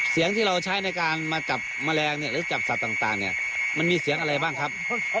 เสียงที่เราใช้ในการมาจับแมลงเนี่ยหรือจับสัตว์ต่างเนี่ยมันมีเสียงอะไรบ้างครับ